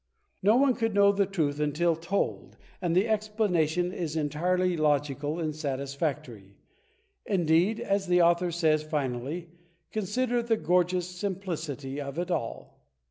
No one could know the truth imtil told and the explanation is entirely logical and satisfactory. Indeed, as the author says, finally: "Consider the gorgeous simplicity of it all."